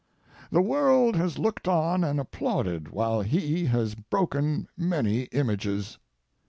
The world has looked on and applauded while he has broken many images.